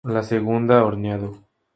La segunda horneado.